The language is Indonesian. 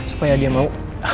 supaya dia mau